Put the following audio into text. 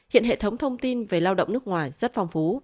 hiện hệ thống thông tin về lao động nước ngoài rất phong phú